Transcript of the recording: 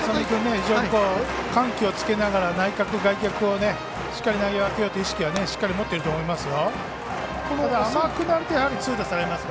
非常に緩急をつけながら内角、外角をしっかり投げ分けようという意識しっかり持っていると思いますよ。